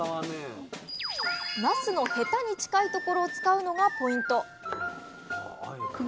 なすのヘタに近いところを使うのがポイント